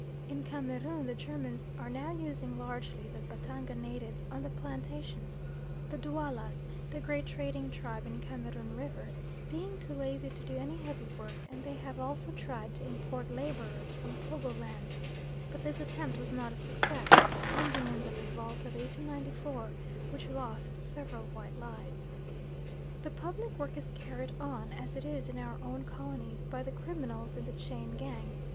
In Cameroon the Germans are now using largely the Batanga natives on the plantations; the Duallas, the great trading tribe in Cameroon River, being too lazy to do any heavy work; and they have also tried to import labourers from Togo Land, but this attempt was not a success, ending in the revolt of 1894, which lost several white lives. The public work is carried on, as it is in our own colonies, by the criminals in the chain gang.